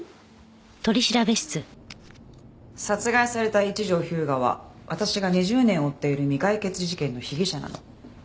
殺害された一条彪牙は私が２０年追っている未解決事件の被疑者なの。